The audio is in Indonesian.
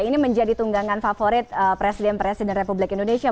ini menjadi tunggangan favorit presiden presiden republik indonesia